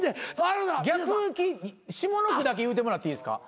逆下の句だけ言うてもらっていいですか？